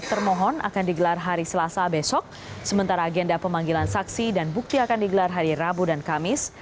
termohon akan digelar hari selasa besok sementara agenda pemanggilan saksi dan bukti akan digelar hari rabu dan kamis